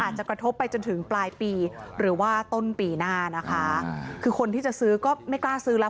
จะกระทบไปจนถึงปลายปีหรือว่าต้นปีหน้านะคะคือคนที่จะซื้อก็ไม่กล้าซื้อแล้ว